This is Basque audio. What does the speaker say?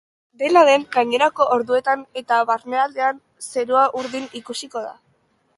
Dena den, gainerako orduetan eta barnealdean, zerua urdin ikusiko da.